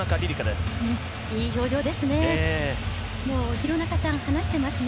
いい表情ですね。